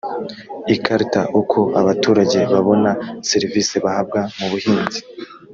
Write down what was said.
ikarita uko abaturage babona serivisi bahabwa mu buhinzi